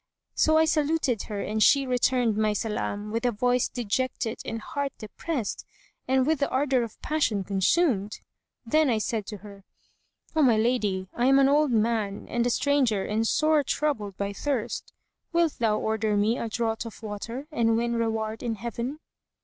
So I saluted her and she returned my salam with a voice dejected and heart depressed and with the ardour of passion consumed. Then said I to her, "O my lady, I am an old man and a stranger and sore troubled by thirst. Wilt thou order me a draught of water, and win reward in heaven?"